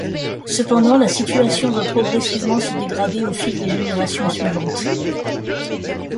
Cependant, la situation va progressivement se dégrader au fil des générations suivantes.